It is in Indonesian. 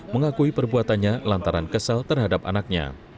mengakui perbuatannya lantaran kesal terhadap anaknya